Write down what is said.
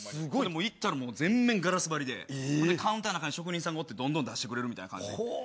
行ったら全面ガラス張りでカウンターの中に職人さんがおってどんどん出してくれるみたいな感じ。